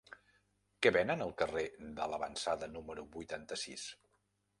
Què venen al carrer de L'Avançada número vuitanta-sis?